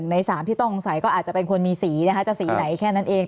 ๑ใน๓ที่ต้องใส่ก็อาจะเป็นคนมีสีจะสีไหนแค่นั้นเอง